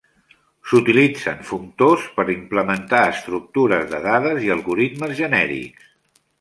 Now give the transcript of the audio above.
S'utilitzen functors per implementar estructures de dades i algoritmes genèrics.